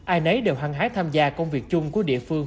ai nấy đều hăng hái tham gia công việc chung của địa phương